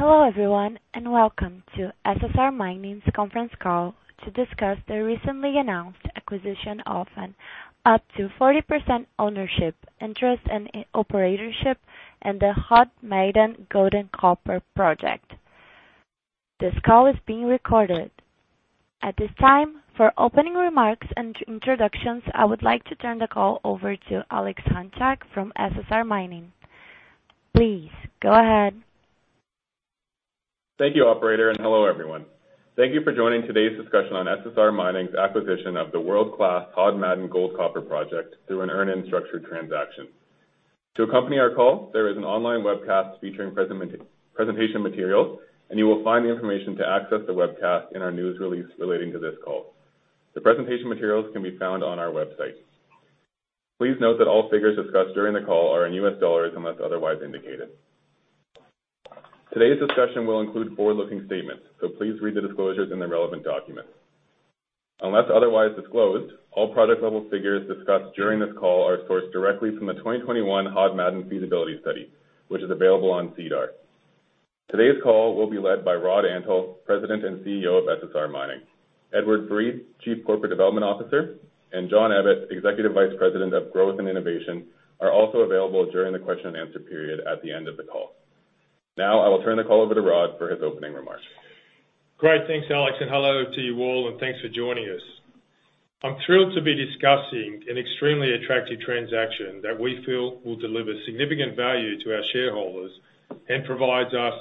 Hello everyone, Welcome to SSR Mining's conference call to discuss the recently announced acquisition of an up to 40% ownership interest in operatorship and the Hod Maden Gold-Copper Project. This call is being recorded. At this time, for opening remarks and introductions, I would like to turn the call over to Alex Hunchak from SSR Mining. Please go ahead. Thank you, operator, and hello everyone. Thank you for joining today's discussion on SSR Mining's acquisition of the world-class Hod Maden Gold-Copper Project through an earn-in structured transaction. To accompany our call, there is an online webcast featuring presentation material, and you will find the information to access the webcast in our news release relating to this call. The presentation materials can be found on our website. Please note that all figures discussed during the call are in US dollars unless otherwise indicated. Today's discussion will include forward-looking statements, so please read the disclosures in the relevant documents. Unless otherwise disclosed, all project level figures discussed during this call are sourced directly from the 2021 Hod Maden Feasibility Study, which is available on SEDAR. Today's call will be led by Rod Antal, President and CEO of SSR Mining. Edward Farid, Chief Corporate Development Officer, and John Ebbett, Executive Vice President of Growth and Innovation, are also available during the question and answer period at the end of the call. I will turn the call over to Rod for his opening remarks. Great. Thanks, Alex. Hello to you all, and thanks for joining us. I'm thrilled to be discussing an extremely attractive transaction that we feel will deliver significant value to our shareholders and provides us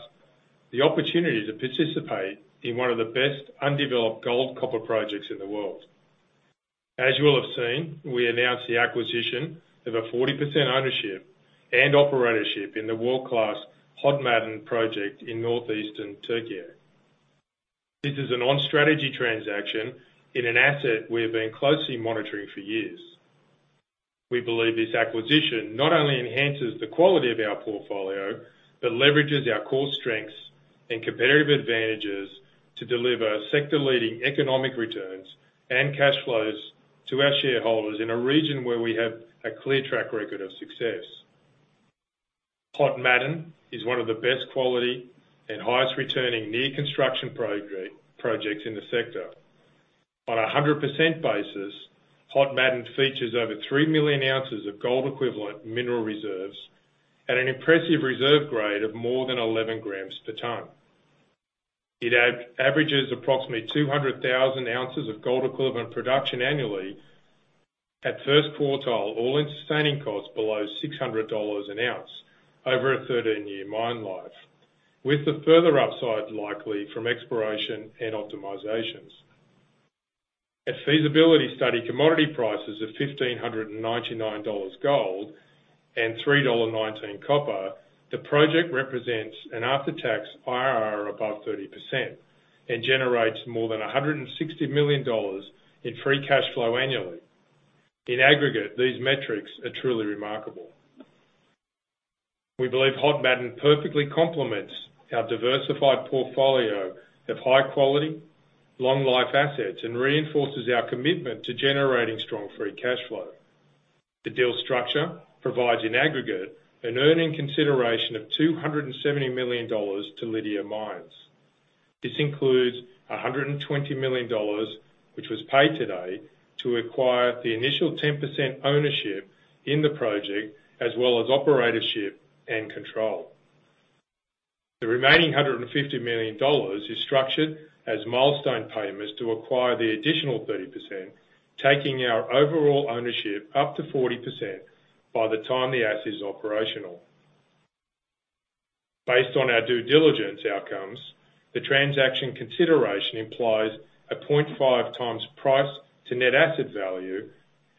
the opportunity to participate in one of the best undeveloped gold-copper projects in the world. As you all have seen, we announced the acquisition of a 40% ownership and operatorship in the world-class Hod Maden Project in northeastern Türkiye. This is an on-strategy transaction in an asset we have been closely monitoring for years. We believe this acquisition not only enhances the quality of our portfolio, but leverages our core strengths and competitive advantages to deliver sector-leading economic returns and cash flows to our shareholders in a region where we have a clear track record of success. Hod Maden is one of the best quality and highest returning near construction projects in the sector. On a 100% basis, Hod Maden features over 3 million ounces of gold equivalent Mineral Reserves at an impressive reserve grade of more than 11 grams per ton. It averages approximately 200,000 ounces of gold equivalent production annually at first quartile, all-in sustaining costs below $600 an ounce over a 13-year mine life, with the further upside likely from exploration and optimizations. At feasibility study commodity prices of $1,599 gold and $3.19 copper, the project represents an after-tax IRR above 30% and generates more than $160 million in free cash flow annually. In aggregate, these metrics are truly remarkable. We believe Hod Maden perfectly complements our diversified portfolio of high quality, long life assets and reinforces our commitment to generating strong free cash flow. The deal structure provides, in aggregate, an earn-in consideration of $270 million to Lidya Mines. This includes $120 million, which was paid today to acquire the initial 10% ownership in the project, as well as operatorship and control. The remaining $150 million is structured as milestone payments to acquire the additional 30%, taking our overall ownership up to 40% by the time the asset is operational. Based on our due diligence outcomes, the transaction consideration implies a 0.5 times price to net asset value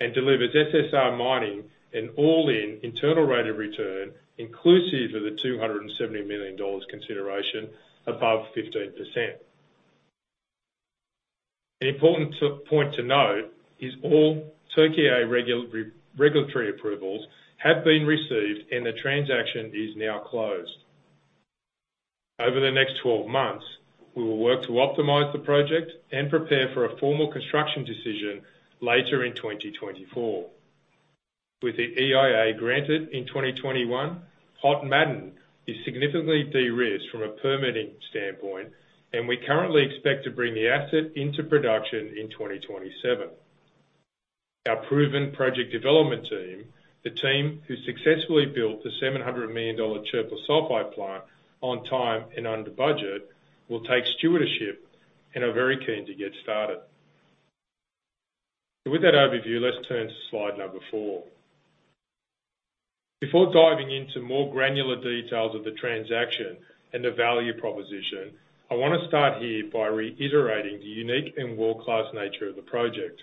and delivers SSR Mining an all-in internal rate of return, inclusive of the $270 million consideration above 15%. Important point to note is all Türkiye regulatory approvals have been received and the transaction is now closed. Over the next 12 months, we will work to optimize the project and prepare for a formal construction decision later in 2024. With the EIA granted in 2021, Hod Maden is significantly de-risked from a permitting standpoint, and we currently expect to bring the asset into production in 2027. Our proven project development team, the team who successfully built the $700 million Çöpler Sulfide plant on time and under budget, will take stewardship and are very keen to get started. With that overview, let's turn to slide number 4. Before diving into more granular details of the transaction and the value proposition, I want to start here by reiterating the unique and world-class nature of the project.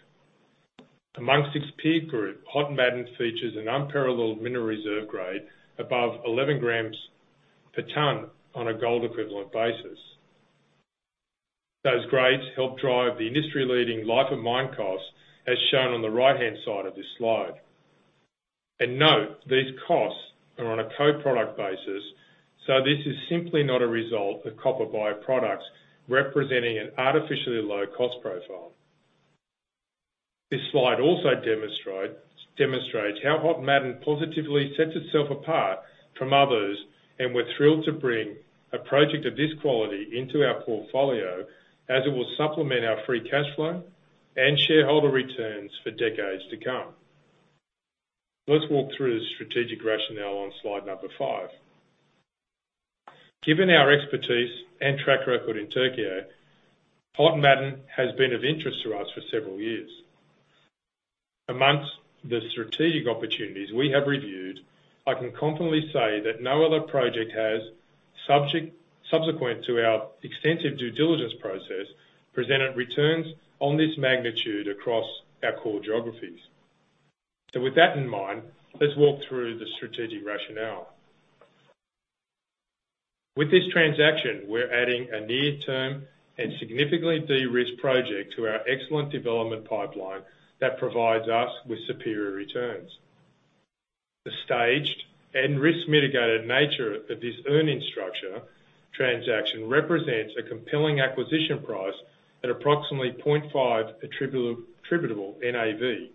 Amongst its peer group, Hod Maden features an unparalleled mineral reserve grade above 11 grams per ton on a gold equivalent basis. Those grades help drive the industry-leading life of mine costs, as shown on the right-hand side of this slide. Note, these costs are on a co-product basis, so this is simply not a result of copper by-products representing an artificially low cost profile. This slide also demonstrates how Hod Maden positively sets itself apart from others. We're thrilled to bring a project of this quality into our portfolio as it will supplement our free cash flow and shareholder returns for decades to come. Let's walk through the strategic rationale on slide number five. Given our expertise and track record in Türkiye, Hod Maden has been of interest to us for several years. Amongst the strategic opportunities we have reviewed, I can confidently say that no other project has subsequent to our extensive due diligence process, presented returns on this magnitude across our core geographies. With that in mind, let's walk through the strategic rationale. With this transaction, we're adding a near-term and significantly de-risked project to our excellent development pipeline that provides us with superior returns. The staged and risk mitigated nature of this earning structure transaction represents a compelling acquisition price at approximately 0.5 attributable NAV,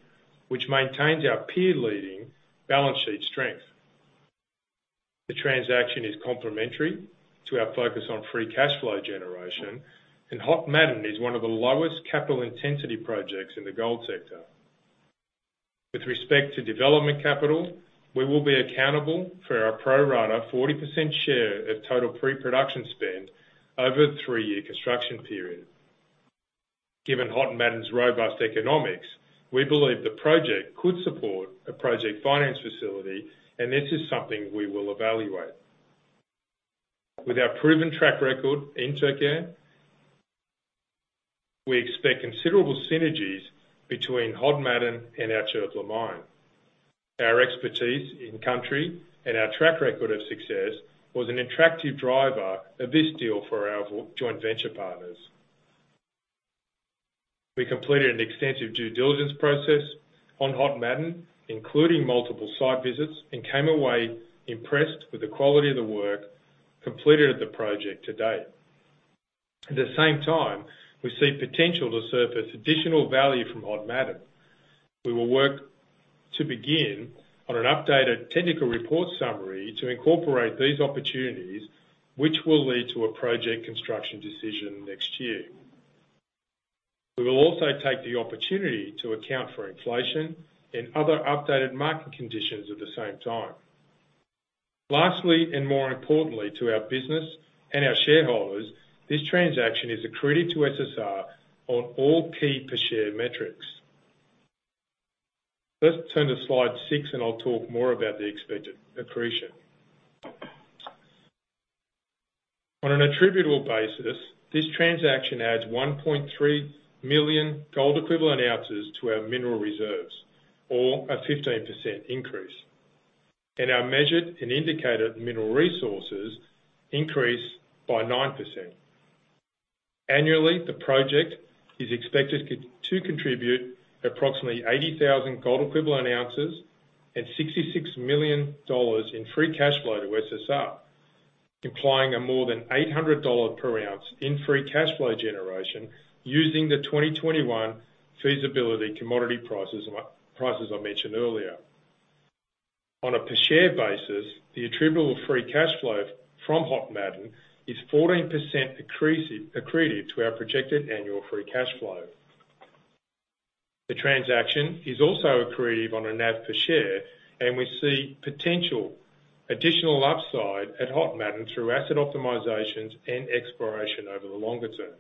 which maintains our peer-leading balance sheet strength. The transaction is complementary to our focus on free cash flow generation, and Hod Maden is one of the lowest capital intensity projects in the gold sector. With respect to development capital, we will be accountable for our pro rata 40% share of total pre-production spend over the three-year construction period. Given Hod Maden's robust economics, we believe the project could support a project finance facility, and this is something we will evaluate. With our proven track record in Türkiye, we expect considerable synergies between Hod Maden and our Çöpler Mine. Our expertise in country and our track record of success was an attractive driver of this deal for our joint venture partners. We completed an extensive due diligence process on Hod Maden, including multiple site visits, and came away impressed with the quality of the work completed at the project to date. At the same time, we see potential to surface additional value from Hod Maden. We will work to begin on an updated Technical Report Summary to incorporate these opportunities, which will lead to a project construction decision next year. We will also take the opportunity to account for inflation and other updated market conditions at the same time. Lastly, more importantly to our business and our shareholders, this transaction is accretive to SSR on all key per share metrics. Let's turn to slide 6, and I'll talk more about the expected accretion. On an attributable basis, this transaction adds 1.3 million gold equivalent ounces to our Mineral Reserves or a 15% increase. Our Measured and Indicated Mineral Resources increase by 9%. Annually, the project is expected to contribute approximately 80,000 gold equivalent ounces and $66 million in free cash flow to SSR, implying a more than $800 per ounce in free cash flow generation using the 2021 feasibility commodity prices I mentioned earlier. On a per share basis, the attributable free cash flow from Hod Maden is 14% accretive to our projected annual free cash flow. The transaction is also accretive on a NAV per share, and we see potential additional upside at Hod Maden through asset optimizations and exploration over the longer term.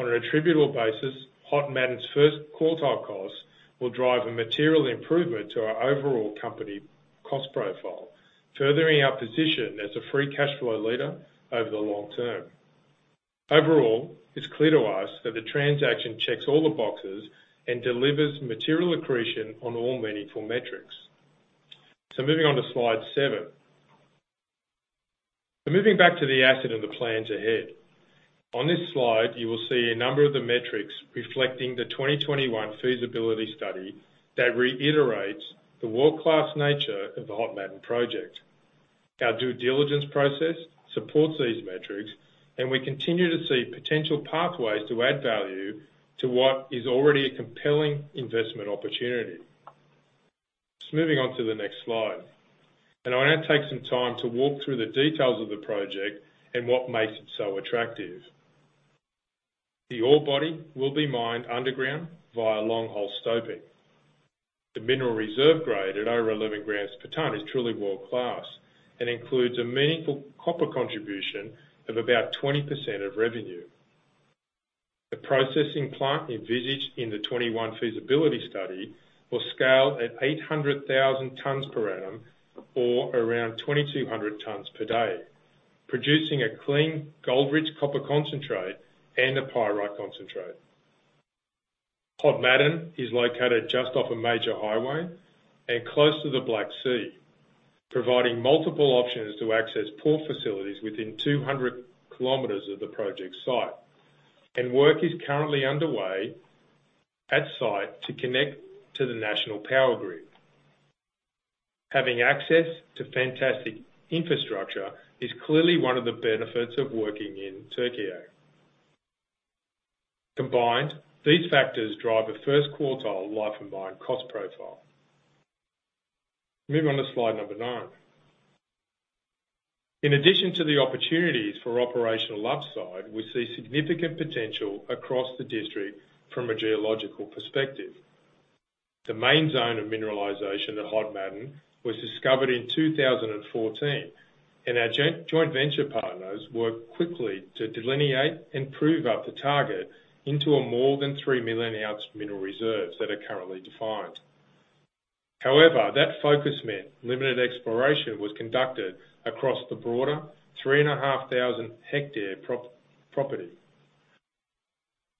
On an attributable basis, Hod Maden's first quartile cost will drive a material improvement to our overall company cost profile, furthering our position as a free cash flow leader over the long term. Overall, it's clear to us that the transaction checks all the boxes and delivers material accretion on all meaningful metrics. Moving on to slide 7. Moving back to the asset and the plans ahead. On this slide, you will see a number of the metrics reflecting the 2021 feasibility study that reiterates the world-class nature of the Hod Maden project. Our due diligence process supports these metrics, and we continue to see potential pathways to add value to what is already a compelling investment opportunity. Moving on to the next slide. I'm gonna take some time to walk through the details of the project and what makes it so attractive. The ore body will be mined underground via longhole stoping. The Mineral Reserve grade at over 11 grams per ton is truly world-class and includes a meaningful copper contribution of about 20% of revenue. The processing plant envisaged in the 2021 feasibility study will scale at 800,000 tons per annum or around 2,200 tons per day, producing a clean gold-rich copper concentrate and a pyrite concentrate. Hod Maden is located just off a major highway and close to the Black Sea, providing multiple options to access port facilities within 200 kilometers of the project site. Work is currently underway at site to connect to the national power grid. Having access to fantastic infrastructure is clearly one of the benefits of working in Türkiye. Combined, these factors drive a first quartile life and mine cost profile. Moving on to slide number 9. In addition to the opportunities for operational upside, we see significant potential across the district from a geological perspective. The main zone of mineralization at Hod Maden was discovered in 2014, and our joint venture partners worked quickly to delineate and prove up the target into a more than 3 million ounce Mineral Reserves that are currently defined. However, that focus meant limited exploration was conducted across the broader 3,500 hectare property.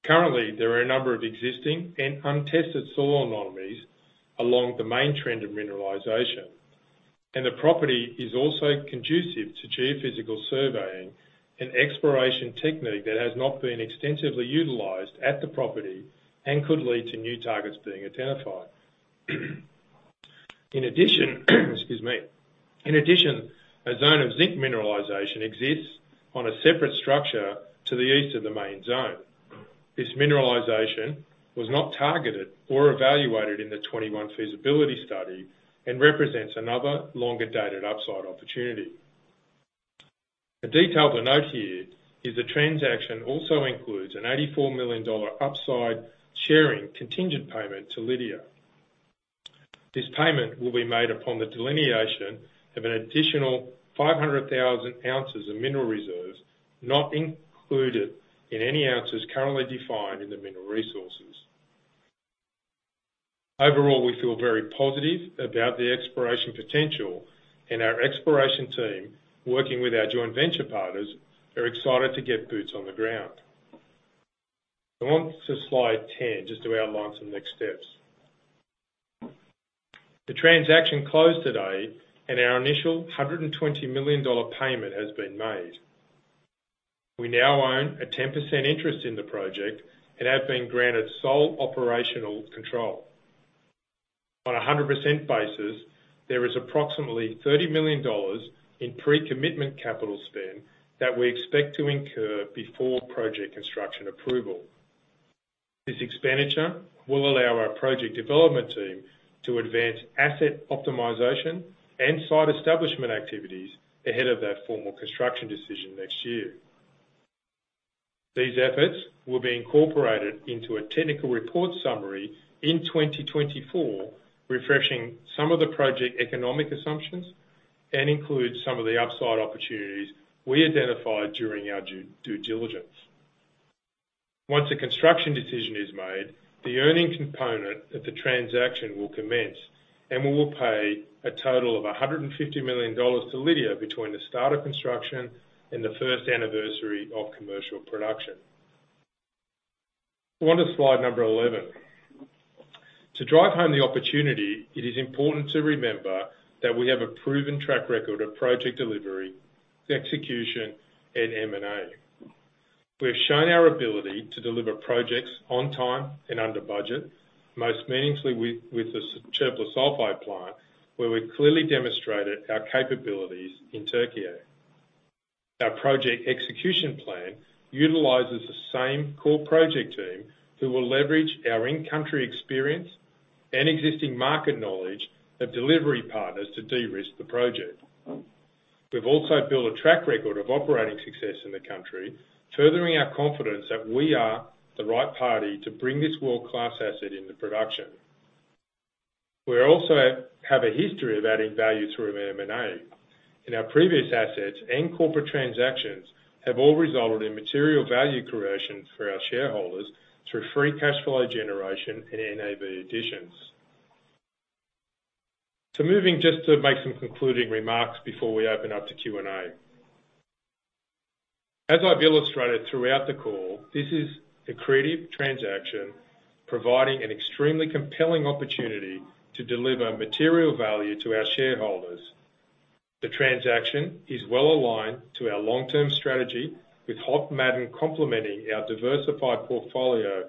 Currently, there are a number of existing and untested soil anomalies along the main trend of mineralization, and the property is also conducive to geophysical surveying, an exploration technique that has not been extensively utilized at the property and could lead to new targets being identified. Excuse me. In addition, a zone of zinc mineralization exists on a separate structure to the east of the main zone. This mineralization was not targeted or evaluated in the 2021 feasibility study and represents another longer-dated upside opportunity. The detail to note here is the transaction also includes an $84 million upside sharing contingent payment to Lidya. This payment will be made upon the delineation of an additional 500,000 ounces of mineral reserves, not included in any ounces currently defined in the mineral resources. Overall, we feel very positive about the exploration potential and our exploration team, working with our joint venture partners, are excited to get boots on the ground. I want to slide 10 just to outline some next steps. The transaction closed today and our initial $120 million payment has been made. We now own a 10% interest in the project and have been granted sole operational control. On a 100% basis, there is approximately $30 million in pre-commitment capital spend that we expect to incur before project construction approval. This expenditure will allow our project development team to advance asset optimization and site establishment activities ahead of that formal construction decision next year. These efforts will be incorporated into a Technical Report Summary in 2024, refreshing some of the project economic assumptions and include some of the upside opportunities we identified during our due diligence. Once a construction decision is made, the earn-in component of the transaction will commence and we will pay a total of $150 million to Lidya between the start of construction and the first anniversary of commercial production. Slide number 11. To drive home the opportunity, it is important to remember that we have a proven track record of project delivery, execution, and M&A. We have shown our ability to deliver projects on time and under budget, most meaningfully with the Çöpler Sulfide plant, where we've clearly demonstrated our capabilities in Türkiye. Our project execution plan utilizes the same core project team who will leverage our in-country experience and existing market knowledge of delivery partners to de-risk the project. We've also built a track record of operating success in the country, furthering our confidence that we are the right party to bring this world-class asset into production. We also have a history of adding value through M&A, and our previous assets and corporate transactions have all resulted in material value creation for our shareholders through free cash flow generation and NAV additions. Moving just to make some concluding remarks before we open up to Q&A. As I've illustrated throughout the call, this is accretive transaction providing an extremely compelling opportunity to deliver material value to our shareholders. The transaction is well-aligned to our long-term strategy with Hod Maden complementing our diversified portfolio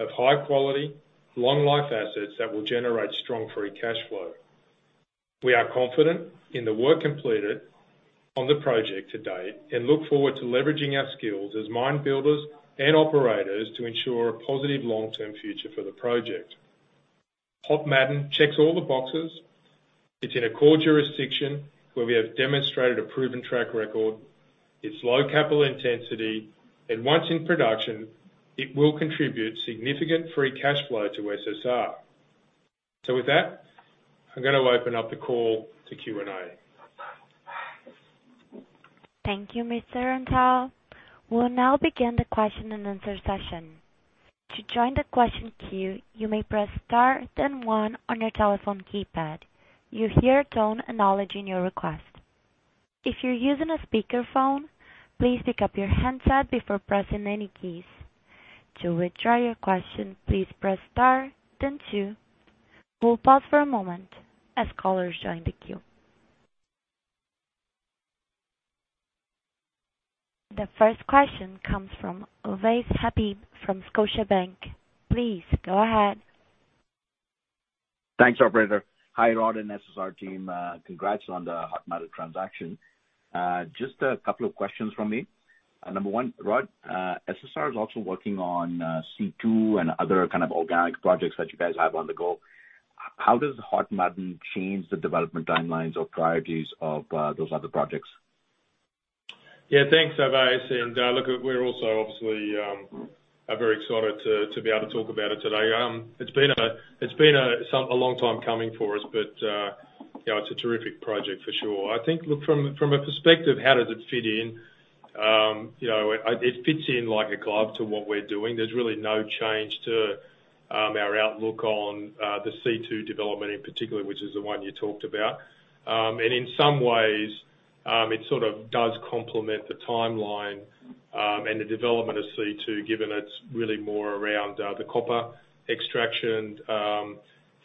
of high quality, long life assets that will generate strong free cash flow. We are confident in the work completed on the project to date and look forward to leveraging our skills as mine builders and operators to ensure a positive long-term future for the project. Hod Maden checks all the boxes. It's in a core jurisdiction where we have demonstrated a proven track record. It's low capital intensity, and once in production, it will contribute significant free cash flow to SSR. With that, I'm gonna open up the call to Q&A. Thank you, Mr. Antal. We'll now begin the question-and-answer session. To join the question queue, you may press star then one on your telephone keypad. You'll hear a tone acknowledging your request. If you're using a speakerphone, please pick up your handset before pressing any keys. To withdraw your question, please press star then two. We'll pause for a moment as callers join the queue. The first question comes from Ovais Habib from Scotiabank. Please go ahead. Thanks, operator. Hi, Rod and SSR team. Congrats on the Hod Maden transaction. Just a couple of questions from me. Number one, Rod, SSR is also working on C2 and other, kind of, organic projects that you guys have on the go. How does Hod Maden change the development timelines or priorities of those other projects? Thanks, Ovais. Look, we're also obviously very excited to be able to talk about it today. It's been a long time coming for us. You know, it's a terrific project for sure. I think, look, from a perspective, how does it fit in? You know, it fits in like a glove to what we're doing. There's really no change to our outlook on the C2 development in particular, which is the one you talked about. In some ways, it sort of does complement the timeline and the development of C2, given it's really more around the copper extraction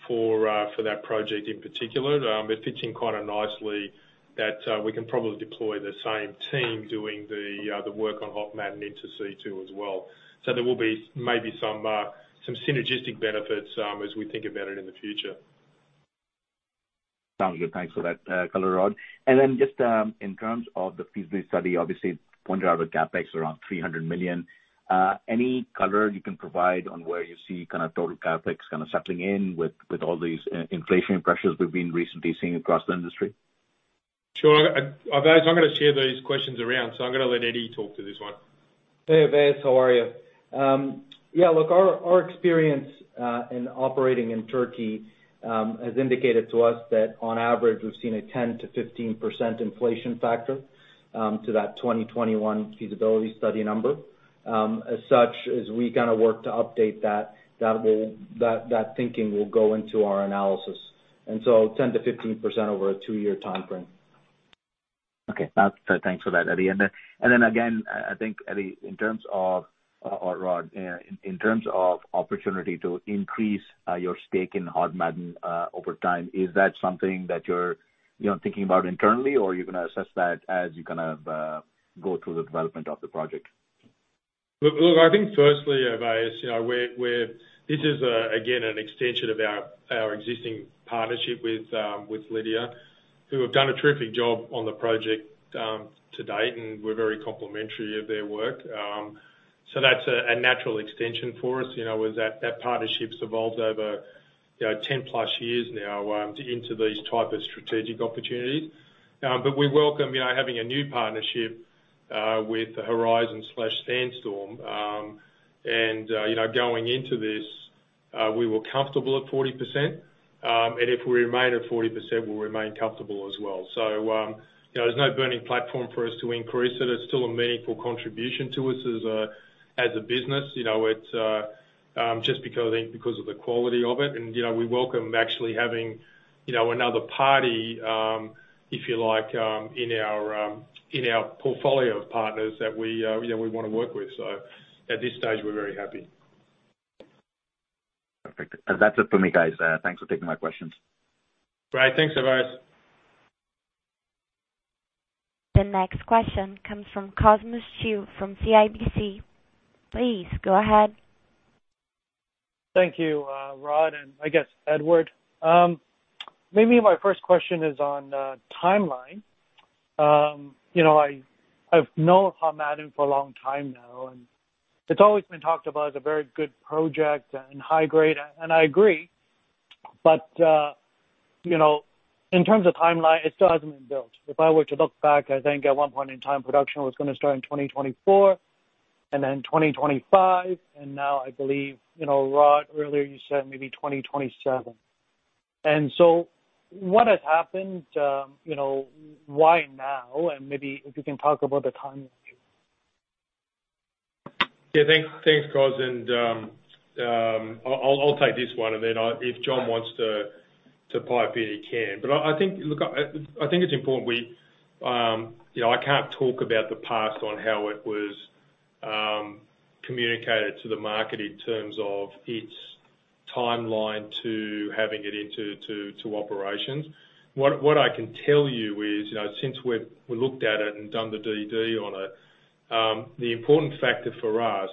for that project in particular. It fits in quite nicely that we can probably deploy the same team doing the work on Hod Maden into C2 as well. There will be maybe some synergistic benefits as we think about it in the future. Sounds good. Thanks for that color, Rod. Just in terms of the feasibility study, obviously pointed out a CapEx around $300 million. Color you can provide on where you see, kind of, total CapEx kind of settling in with all these inflation pressures we've been recently seeing across the industry? Sure. I, Ovais, I'm gonna share these questions around, so I'm gonna let Eddie talk to this one. Hey, Ovais. How are you? , look, our experience in operating in Türkiye has indicated to us that on average, we've seen a 10%-15% inflation factor to that 2020-2021 Feasibility Study number. As such, as we kind of work to update that thinking will go into our analysis. 10%-15% over a 2-year timeframe. Okay. That's thanks for that, Eddie. Then again, I think, Eddie, in terms of, or Rod, in terms of opportunity to increase your stake in Hod Maden over time, is that something that you're, you know, thinking about internally, or are you gonna assess that as you kind of go through the development of the project? Look, I think firstly, Ovais, you know, we're.. this is again an extension of our existing partnership with Lidya, who have done a terrific job on the project to date, and we're very complimentary of their work. That's a natural extension for us. You know, with that partnership's evolved over, you know, 10 plus years now into these type of strategic opportunities. We welcome, you know, having a new partnership with Horizon/Sandstorm. You know, going into this, we were comfortable at 40%. If we remain at 40%, we'll remain comfortable as well. You know, there's no burning platform for us to increase it. It's still a meaningful contribution to us as a business. You know, it's, just because I think because of the quality of it. You know, we welcome actually having, you know, another party, if you like, in our portfolio of partners that we, you know, we wanna work with. At this stage, we're very happy. Perfect. That's it for me, guys. Thanks for taking my questions. Great. Thanks, Ovais. The next question comes from Cosmos Chiu from CIBC. Please go ahead. Thank you, Rod, and I guess Edward. Maybe my first question is on timeline. You know, I've known Hod Maden for a long time now, and it's always been talked about as a very good project and high grade, and I agree. You know, in terms of timeline, it still hasn't been built. If I were to look back, I think at one point in time, production was gonna start in 2024 and then 2025, and now I believe, you know, Rod, earlier you said maybe 2027. So what has happened? You know, why now? Maybe if you can talk about the timeline.. Thanks, thanks, Cos. I'll take this one, and then if John wants to pipe in, he can. I think look, I think it's important we, you know, I can't talk about the past on how it was communicated to the market in terms of its timeline to having it into operations. What I can tell you is, you know, since we've looked at it and done the DD on it, the important factor for us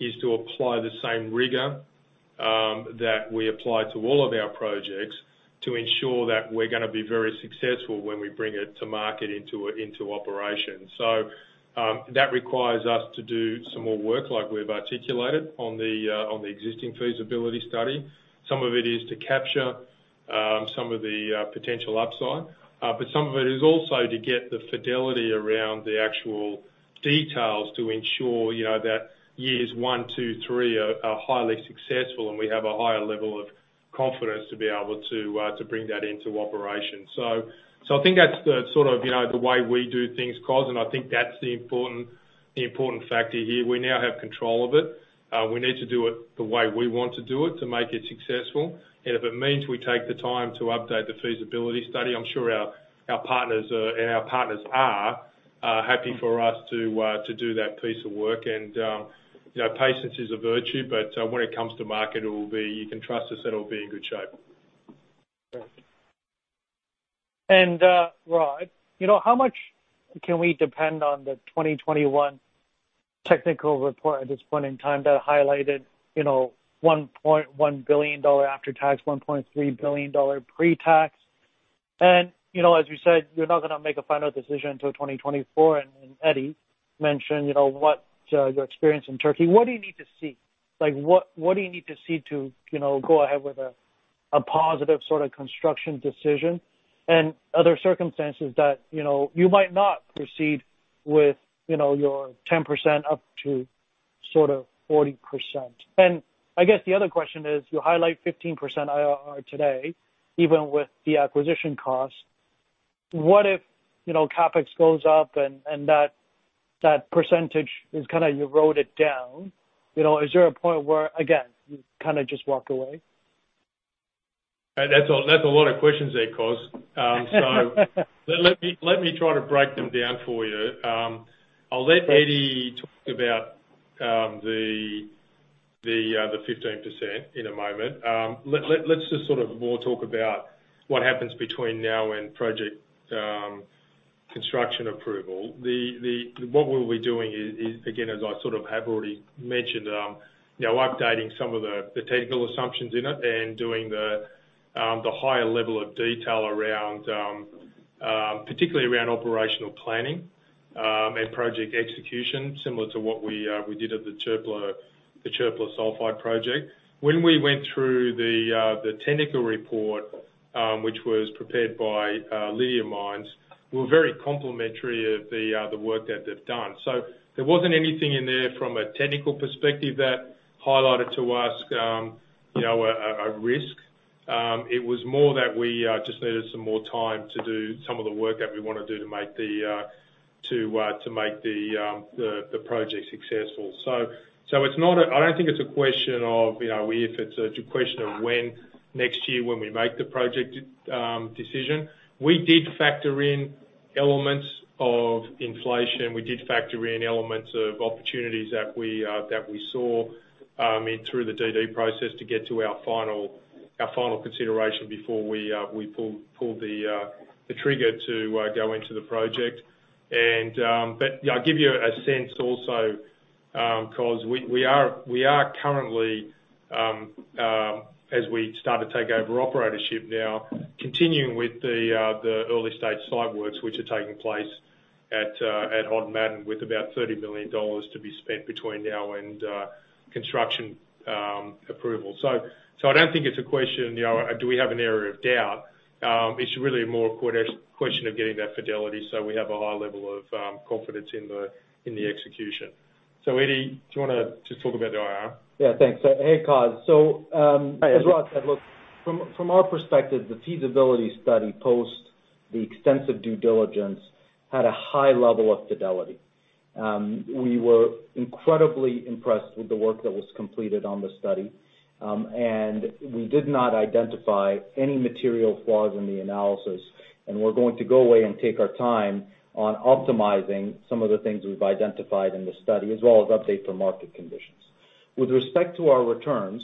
is to apply the same rigor that we apply to all of our projects to ensure that we're gonna be very successful when we bring it to market into operation. That requires us to do some more work like we've articulated on the existing feasibility study. Some of it is to capture, some of the potential upside. But some of it is also to get the fidelity around the actual details to ensure, you know, that years 1, 2, 3 are highly successful and we have a higher level of confidence to be able to bring that into operation. I think that's the sort of, you know, the way we do things, Cos, and I think that's the important, the important factor here. We now have control of it. We need to do it the way we want to do it to make it successful. If it means we take the time to update the feasibility study, I'm sure our partners, and our partners are happy for us to do that piece of work. You know, patience is a virtue, but when it comes to market, it will be.. you can trust us, it'll be in good shape. Great. Rod, you know, how much can we depend on the 2021 Technical Report at this point in time that highlighted, you know, $1.1 billion after-tax, $1.3 billion pre-tax? You know, as you said, you're not gonna make a final decision until 2024, and Eddie mentioned, you know, what your experience in Türkiye. What do you need to see? Like, what do you need to see to, you know, go ahead with a positive sort of construction decision and other circumstances that, you know, you might not proceed with, you know, your 10% up to sort of 40%. I guess the other question is, you highlight 15% IRR today, even with the acquisition costs. What if, you know, CapEx goes up and that percentage is kinda eroded down? You know, is there a point where, again, you kinda just walk away? That's a, that's a lot of questions there, Cos. Let me try to break them down for you. I'll let Eddie talk about the 15% in a moment. Let's just sort of more talk about what happens between now and project construction approval. What we'll be doing is, again, as I sort of have already mentioned, you know, updating some of the technical assumptions in it and doing the higher level of detail around particularly around operational planning and project execution, similar to what we did at the Çöpler Sulfide project. When we went through the technical report, which was prepared by Lidya Mines, we're very complimentary of the work that they've done. There wasn't anything in there from a technical perspective that highlighted to us, you know, a risk. It was more that we just needed some more time to do some of the work that we wanna do to make the project successful. I don't think it's a question of, you know, if, it's a question of when next year when we make the project decision. We did factor in elements of inflation. We did factor in elements of opportunities that we saw in through the DD process to get to our final, our final consideration before we pulled the trigger to go into the project. But I'll give you a sense also, Cos, we are currently as we start to take over operatorship now, continuing with the early stage site works, which are taking place at Hod Maden with about $30 billion to be spent between now and construction approval. I don't think it's a question, you know, do we have an area of doubt? It's really more a question of getting that fidelity so we have a high level of confidence in the execution. Eddie, do you wanna just talk about the IRR? Thanks. Hey, Cos. Hi, Eddie. As Rod said, look, from our perspective, the feasibility study post the extensive due diligence had a high level of fidelity. We were incredibly impressed with the work that was completed on the study, and we did not identify any material flaws in the analysis, and we're going to go away and take our time on optimizing some of the things we've identified in the study, as well as update for market conditions. With respect to our returns,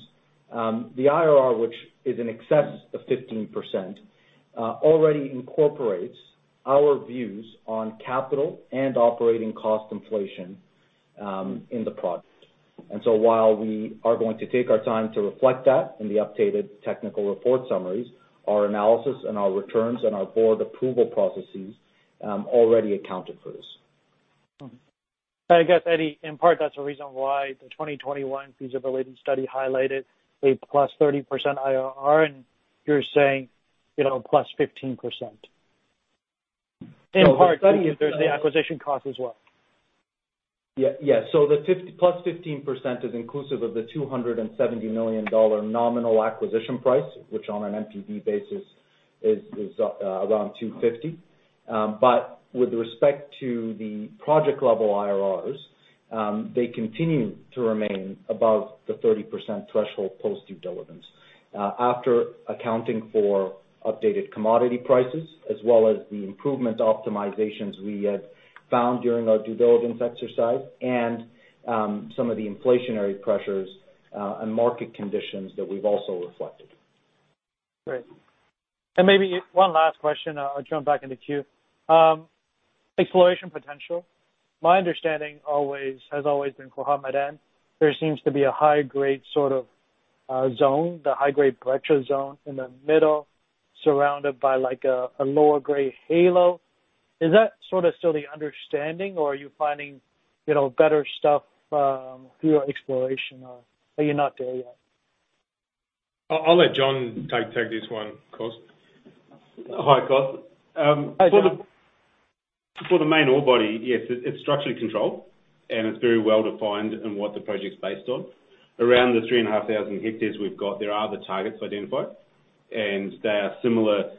the IRR, which is in excess of 15%, already incorporates our views on capital and operating cost inflation in the project. While we are going to take our time to reflect that in the updated Technical Report Summaries, our analysis and our returns and our board approval processes already accounted for this. I guess, Eddie, in part, that's the reason why the 2021 Feasibility Study highlighted a +30% IRR, and you're saying, you know, +15%. In part because there's the acquisition cost as well. The plus 15% is inclusive of the $270 million nominal acquisition price, which on an NPV basis is around 250. With respect to the project level IRRs, they continue to remain above the 30% threshold post due diligence, after accounting for updated commodity prices as well as the improvement optimizations we had found during our due diligence exercise and some of the inflationary pressures and market conditions that we've also reflected. Great. Maybe one last question. I'll jump back in the queue. Exploration potential. My understanding always, has always been Hod Maden. There seems to be a high-grade sort of zone, the high-grade breccia zone in the middle, surrounded by like a lower grade halo. Is that sort of still the understanding, or are you finding, you know, better stuff, through your exploration or are you not there yet? I'll let John take this one, Cos. Hi, Cos. Hi, John. For the main ore body, yes, it's structurally controlled, and it's very well defined in what the project is based on. Around the 3,500 hectares we've got, there are the targets identified, and they are similar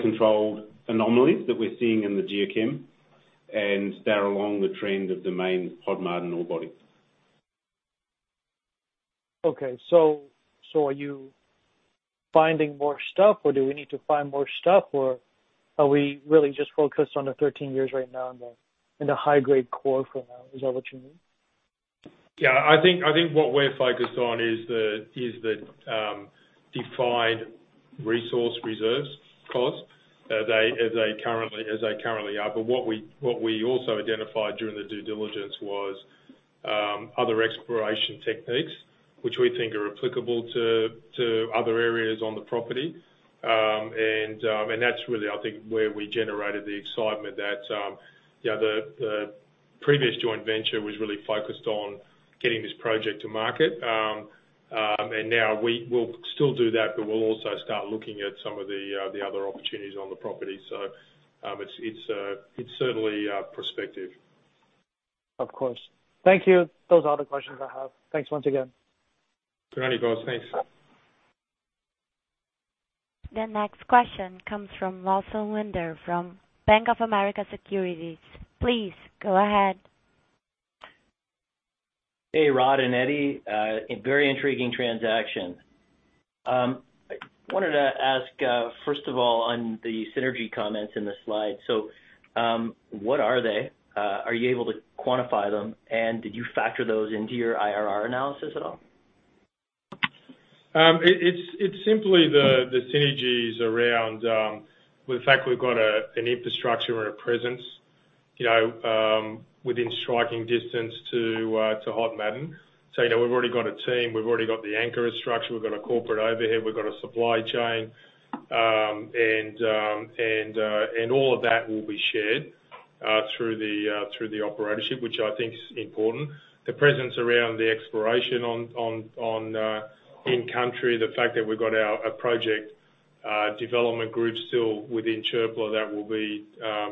controlled anomalies that we're seeing in the geochem, and they're along the trend of the main Hod Maden ore body. Okay. So are you finding more stuff, or do we need to find more stuff, or are we really just focused on the 13 years right now in the high-grade core for now? Is that what you mean?, I think what we're focused on is the defined resource reserves cost as they currently are. What we also identified during the due diligence was other exploration techniques which we think are applicable to other areas on the property. That's really, I think, where we generated the excitement that,, the previous joint venture was really focused on getting this project to market. Now we will still do that, but we'll also start looking at some of the other opportunities on the property. It's certainly prospective. Of course. Thank you. Those are all the questions I have. Thanks once again. Good on you, boss. Thanks. The next question comes from Lawson Winder from Bank of America Securities. Please go ahead. Hey, Rod and Eddie. A very intriguing transaction. I wanted to ask, first of all, on the synergy comments in the slide. What are they? Are you able to quantify them? Did you factor those into your IRR analysis at all? It's, it's simply the synergies around the fact that we've got an infrastructure and a presence, you know, within striking distance to Hod Maden. You know, we've already got a team, we've already got the anchor structure, we've got a corporate overhead, we've got a supply chain. And all of that will be shared through the operatorship, which I think is important. The presence around the exploration on in country. The fact that we've got our project development group still within Çöpler that will be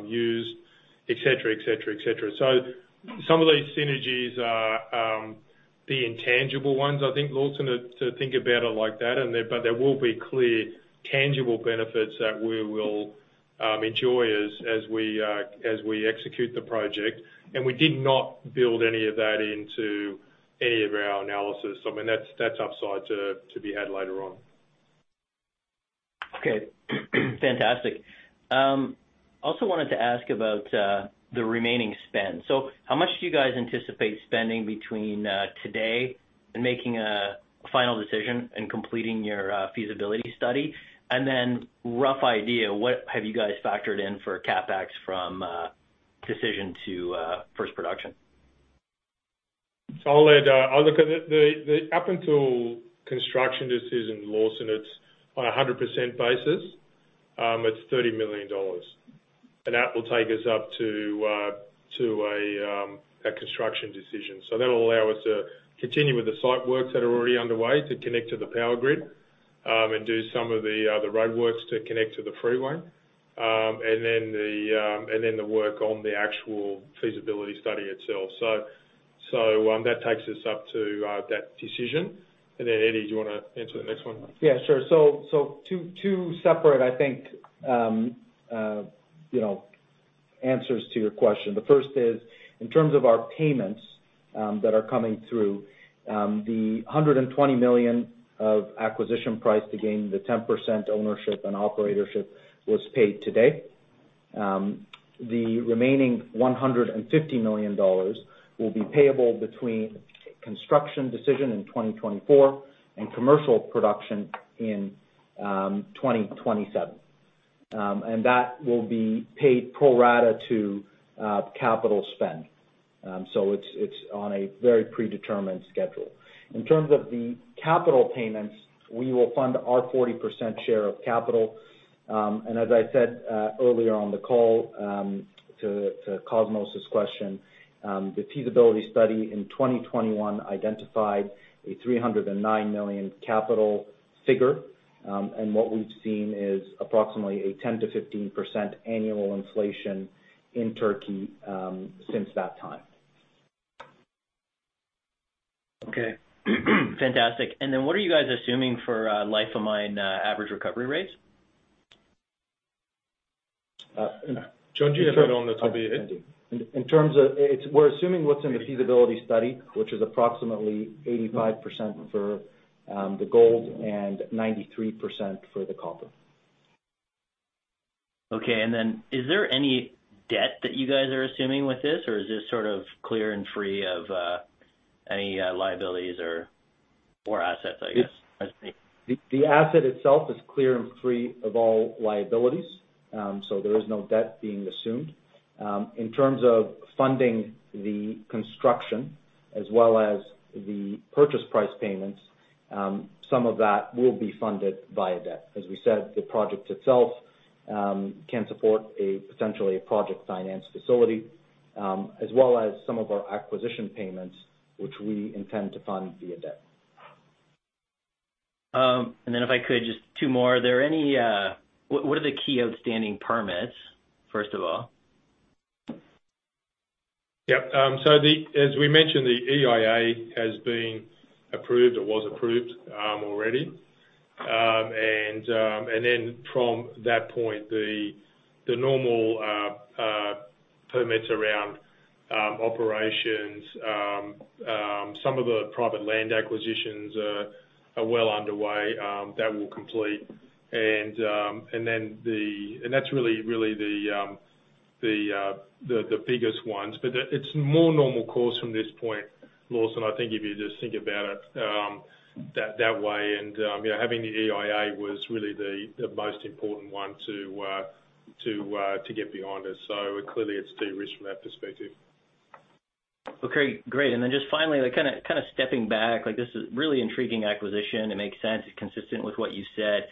used, et cetera, et cetera, et cetera. Some of these synergies are the intangible ones, I think, Lawson, to think about it like that. There will be clear, tangible benefits that we will, enjoy as we execute the project. We did not build any of that into any of our analysis. I mean, that's upside to be had later on. Okay. Fantastic. Also wanted to ask about the remaining spend. How much do you guys anticipate spending between today and making a final decision and completing your feasibility study? Rough idea, what have you guys factored in for CapEx from decision to first production? I'll look at the up until construction decision, Lawson, it's on a 100% basis, it's $30 million. That will take us up to a construction decision. That'll allow us to continue with the site works that are already underway to connect to the power grid, and do some of the roadworks to connect to the freeway. Then the work on the actual feasibility study itself. That takes us up to that decision. Then Eddie, do you wanna answer the next one?, sure. 2 separate, I think, you know, answers to your question. The first is, in terms of our payments, that are coming through, the $120 million of acquisition price to gain the 10% ownership and operatorship was paid today. The remaining $150 million will be payable between construction decision in 2024 and commercial production in 2027. That will be paid pro rata to capital spend. It's on a very predetermined schedule. In terms of the capital payments, we will fund our 40% share of capital. As I said, earlier on the call, to Cosmos' question, the feasibility study in 2021 identified a $309 million capital figure. What we've seen is approximately a 10%-15% annual inflation in Türkiye since that time. Okay. Fantastic. Then what are you guys assuming for life of mine average recovery rates? Do you want to take that one? That's probably it. We're assuming what's in the feasibility study, which is approximately 85% for the gold and 93% for the copper. Okay. Then is there any debt that you guys are assuming with this? Or is this sort of clear and free of any liabilities or assets, I guess? The asset itself is clear and free of all liabilities. There is no debt being assumed. In terms of funding the construction as well as the purchase price payments, some of that will be funded via debt. As we said, the project itself can support a potentially a project finance facility, as well as some of our acquisition payments, which we intend to fund via debt. If I could, just two more. What are the key outstanding permits, first of all? Yep. The, as we mentioned, the EIA has been approved or was approved already. From that point, the normal permits around operations, some of the private land acquisitions are well underway, that will complete. That's really the biggest ones, it's more normal course from this point, Lawson. I think if you just think about it that way, you know, having the EIA was really the most important one to get behind us. Clearly it's de-risked from that perspective. Okay, great. Just finally, like, kinda stepping back, like, this is really intriguing acquisition. It makes sense. It's consistent with what you said.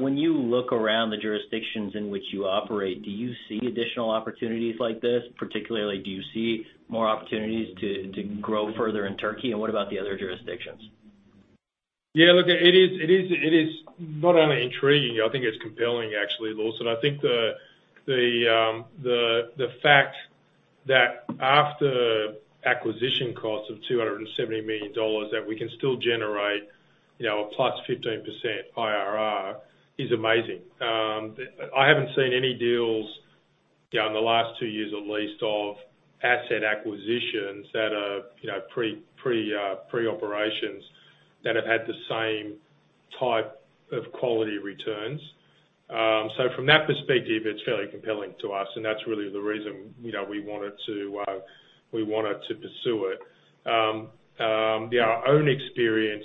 When you look around the jurisdictions in which you operate, do you see additional opportunities like this? Particularly, do you see more opportunities to grow further in Türkiye? What about the other jurisdictions? Look, it is not only intriguing, I think it's compelling actually, Lawson. I think the fact that after acquisition costs of $270 million, that we can still generate, you know, a +15% IRR is amazing. I haven't seen any deals, you know, in the last two years at least, of asset acquisitions that are, you know, pre-operations that have had the same type of quality returns. From that perspective, it's fairly compelling to us, and that's really the reason, you know, we wanted to pursue it. Our own experience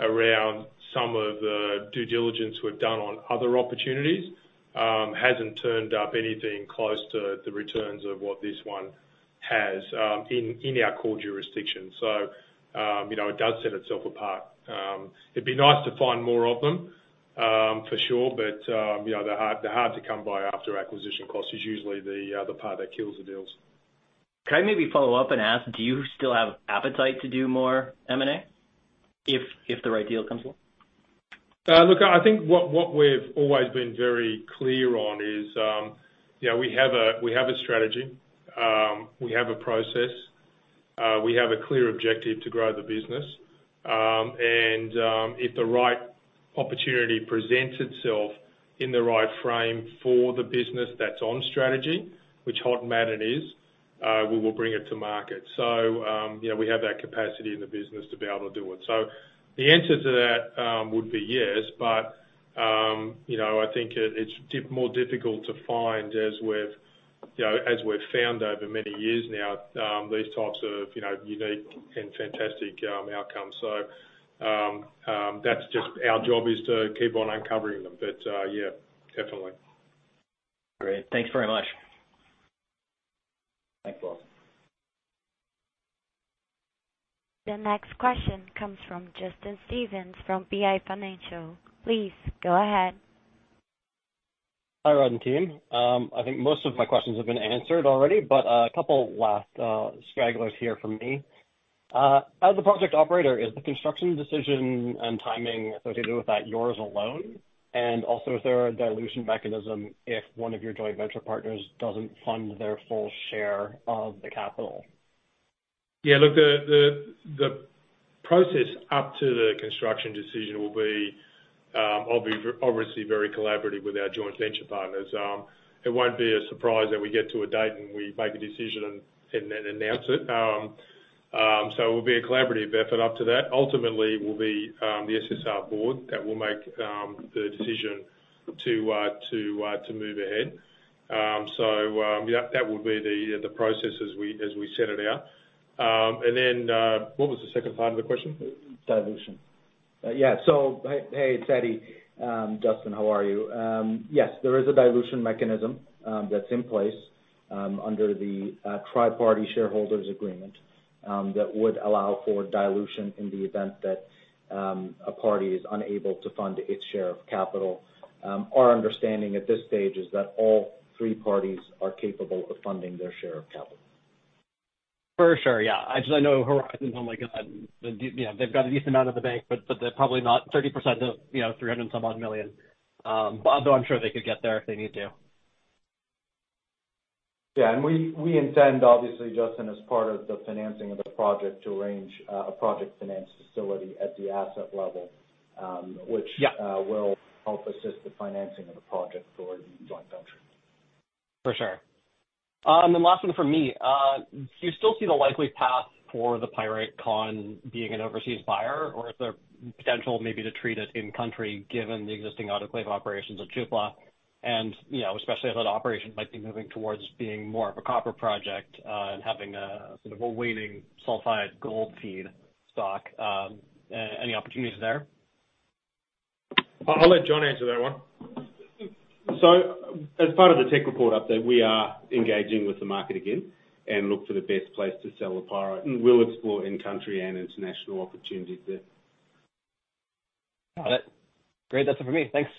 around some of the due diligence we've done on other opportunities hasn't turned up anything close to the returns of what this one has in our core jurisdiction. You know, it does set itself apart. It'd be nice to find more of them for sure. You know, they're hard to come by after acquisition cost is usually the part that kills the deals. Can I maybe follow up and ask, do you still have appetite to do more M&A if the right deal comes along? Look, I think what we've always been very clear on is, you know, we have a strategy. We have a process. We have a clear objective to grow the business. If the right opportunity presents itself in the right frame for the business that's on strategy, which Hod Maden is, we will bring it to market. You know, we have that capacity in the business to be able to do it. The answer to that would be yes. You know, I think it's more difficult to find as we've, you know, found over many years now, these types of, you know, unique and fantastic outcomes. That's just our job, is to keep on uncovering them., definitely. Great. Thanks very much. Thanks, Lawson. The next question comes from Justin Stevens from PI Financial. Please go ahead. Hi, Rod and team. I think most of my questions have been answered already, but a couple last stragglers here from me. As a project operator, is the construction decision and timing associated with that yours alone? Also, is there a dilution mechanism if one of your joint venture partners doesn't fund their full share of the capital? Look, the process up to the construction decision will be obviously very collaborative with our joint venture partners. It won't be a surprise that we get to a date, and we make a decision and then announce it. It will be a collaborative effort up to that. Ultimately, it will be the SSR board that will make the decision to move ahead., that would be the process as we set it out. What was the second part of the question? Dilution.. Hey, it's Eddie. Justin, how are you? Yes, there is a dilution mechanism that's in place under the tri-party shareholders agreement that would allow for dilution in the event that a party is unable to fund its share of capital. Our understanding at this stage is that all three parties are capable of funding their share of capital. For sure.. I just, I know Horizon only got, you know, they've got a decent amount in the bank, but they're probably not 30% of, you know, $300 and some odd million. I'm sure they could get there if they need to. . We intend obviously, Justin, as part of the financing of the project, to arrange a project finance facility at the asset level will help assist the financing of the project for the joint venture. For sure. Last one from me. Do you still see the likely path for the pyrite con being an overseas buyer, or is there potential maybe to treat it in country given the existing autoclave operations at Çöpler? You know, especially if that operation might be moving towards being more of a copper project and having a sort of a waning sulfide gold feed stock. Any opportunities there? I'll let John answer that one. As part of the tech report update, we are engaging with the market again and look for the best place to sell the pyrite. We'll explore in-country and international opportunities there. Got it. Great. That's it for me. Thanks.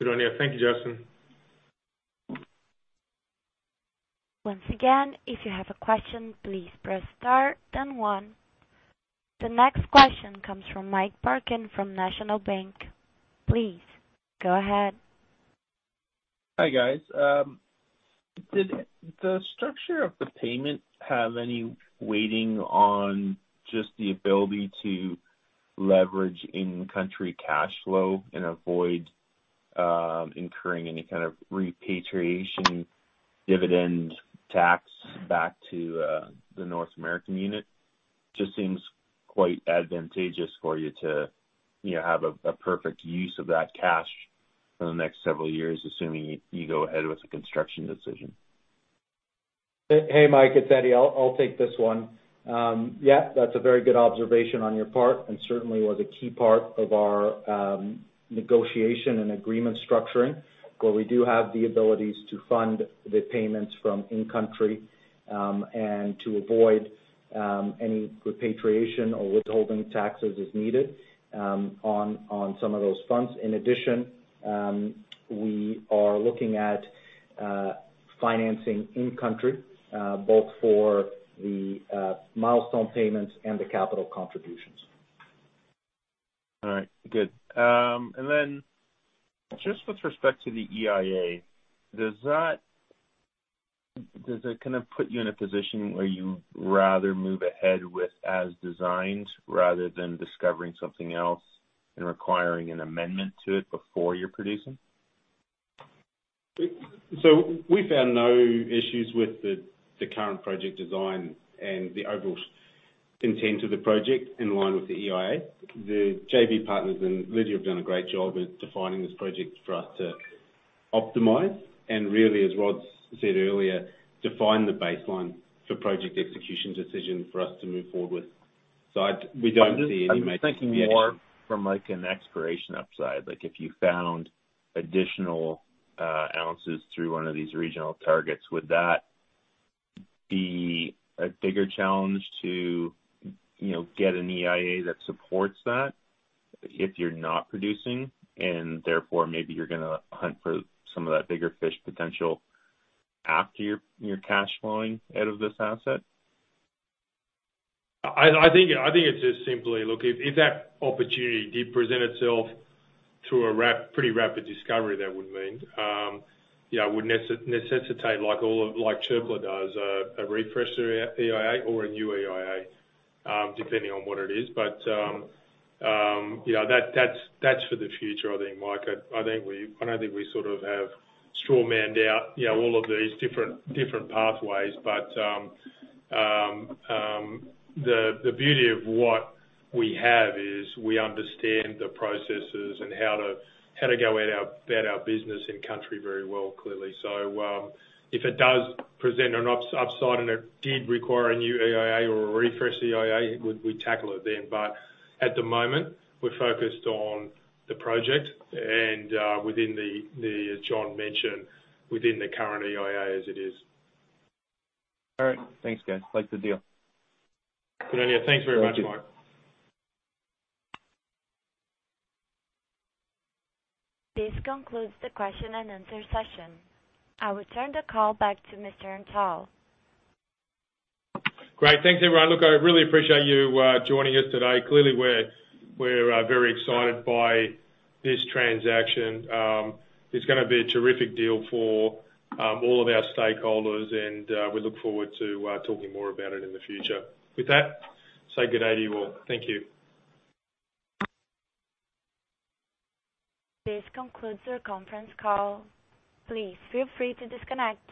Good on you. Thank you, Justin. Once again, if you have a question, please press star then one. The next question comes from Mike Parkin from National Bank Financial. Please go ahead. Hi, guys. Did the structure of the payment have any weighting on just the ability to leverage in-country cash flow and avoid incurring any kind of repatriation dividend tax back to the North American unit? Just seems quite advantageous for you to have a perfect use of that cash for the next several years, assuming you go ahead with the construction decision. Hey, Mike, it's Eddie. I'll take this one., that's a very good observation on your part, certainly was a key part of our negotiation and agreement structuring, where we do have the abilities to fund the payments from in-country and to avoid any repatriation or withholding taxes as needed on some of those funds. In addition, we are looking at financing in-country both for the milestone payments and the capital contributions. All right. Good. Then just with respect to the EIA, Does it kind of put you in a position where you rather move ahead with as designed rather than discovering something else and requiring an amendment to it before you're producing? We found no issues with the current project design and the overall content of the project in line with the EIA. The JV partners and Lidya have done a great job at defining this project for us to optimize and really, as Rod said earlier, define the baseline for project execution decision for us to move forward with. We don't see any major- I'm just thinking more from like an exploration upside. If you found additional ounces through one of these regional targets, would that be a bigger challenge to, you know, get an EIA that supports that if you're not producing, and therefore maybe you're gonna hunt for some of that bigger fish potential after you're cash flowing out of this asset? I think it's just simply, look, if that opportunity did present itself through a pretty rapid discovery, that would mean,, it would necessitate, like Chirala does, a refresh to EIA or a new EIA, depending on what it is. You know, that's, that's for the future, I think, Mike. I think we sort of have straw manned out, you know, all of these different pathways. The beauty of what we have is we understand the processes and how to go about our business in country very well, clearly. If it does present an upside and it did require a new EIA or a refresh EIA, we'd tackle it then. At the moment, we're focused on the project and, within the, as John mentioned, within the current EIA as it is. All right. Thanks, guys. It's a deal. Good on you. Thanks very much, Mike. Thank you. This concludes the question and answer session. I return the call back to Mr. Antal. Great. Thanks, everyone. Look, I really appreciate you joining us today. Clearly, we're very excited by this transaction. It's gonna be a terrific deal for all of our stakeholders, and we look forward to talking more about it in the future. With that, say good day to you all. Thank you. This concludes our conference call. Please feel free to disconnect.